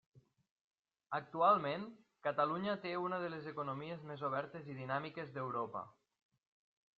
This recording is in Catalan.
Actualment Catalunya té una de les economies més obertes i dinàmiques d'Europa.